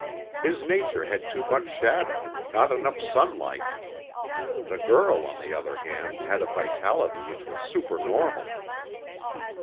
His nature had too much shadow not enough sunlight. The girl on the other hand had a vitality which was supernormal."